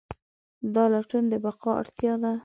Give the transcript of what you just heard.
دا لټون د بقا اړتیا ده.